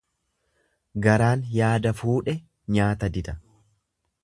Garaan yaada fuudhe nyaata dida.